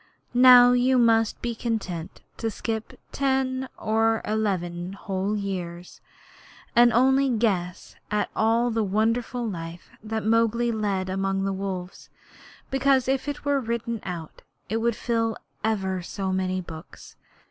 Now you must be content to skip ten or eleven whole years, and only guess at all the wonderful life Mowgli led among the wolves, because if it were written out it would fill ever so many books.